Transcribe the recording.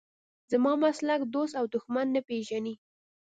زما مسلک دوست او دښمن نه پېژني.